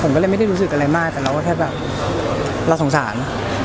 ผมก็เลยไม่ได้รู้สึกอะไรมากแต่เราก็แค่แบบเราสงสาร